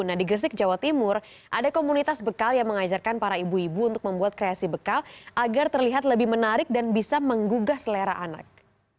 nah di gresik jawa timur ada komunitas bekal yang mengajarkan para ibu ibu untuk membuat kreasi bekal agar terlihat lebih menarik dan bisa menggugah selera anak